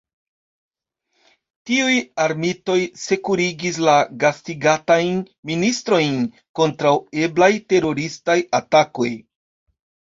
Tiuj armitoj sekurigis la gastigatajn ministrojn kontraŭ eblaj teroristaj atakoj!